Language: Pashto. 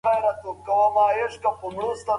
مصرف باید له ګټې څخه زیات نه وي.